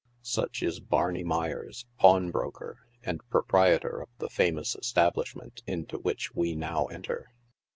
Such is Barney Meyers, pawn broker, and pro proprietor of the famous establishment into which we now enter.